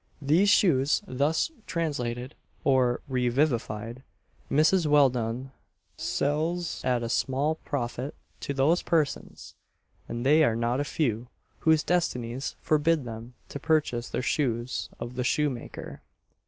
These shoes, thus translated, or "revivified," Mrs. Welldone sells at a small profit to those persons, and they are not a few, whose destinies forbid them to purchase their shoes of the shoe maker.